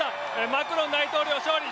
マクロン大統領、勝利。